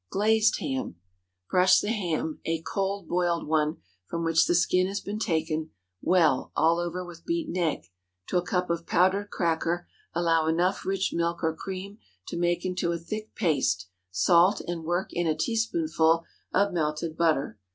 GLAZED HAM. ✠ Brush the ham—a cold boiled one, from which the skin has been taken—well, all over with beaten egg. To a cup of powdered cracker allow enough rich milk or cream to make into a thick paste, salt, and work in a teaspoonful of melted butter.